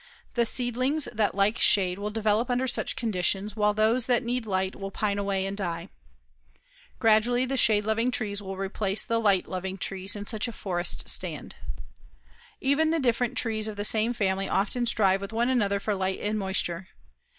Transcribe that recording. The seedlings that like shade will develop under such conditions while those that need light will pine away and die. Gradually the shade loving trees will replace the light loving trees in such a forest stand. Even the different trees of the same family often strive with one another for light and moisture.